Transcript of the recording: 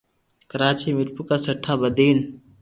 ڪراچي ۔ ميرپورخاص ۔ ٺھٺہ ۔ بدين